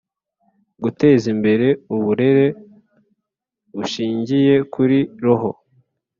Guteza imbere uburere bushingiye kuri Roho